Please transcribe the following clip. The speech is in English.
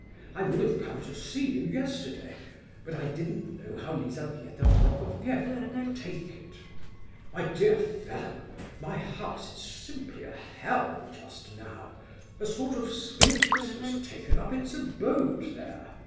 I would have come to see you yesterday, but I didn't know how Lizabetha Prokofievna would take it. My dear fellow, my house is simply a hell just now, a sort of sphinx has taken up its abode there.